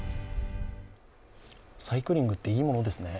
サイクリングって、いいものですね。